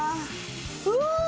うわ！